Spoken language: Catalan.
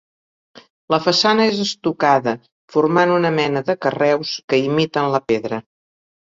La façana és estocada formant una mena de carreus que imiten la pedra.